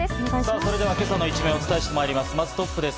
それでは今朝の一面、お伝えしていきます。